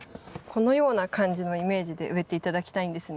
このような感じのイメージで植えて頂きたいんですね。